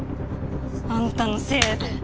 あんたのせいで。